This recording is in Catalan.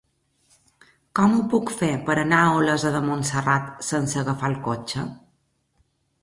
Com ho puc fer per anar a Olesa de Montserrat sense agafar el cotxe?